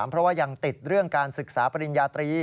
เพราะว่ายังติดเรื่องการศึกษาปริญญาตรี